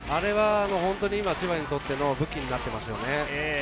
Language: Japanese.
あれは千葉にとっての武器になっていますよね。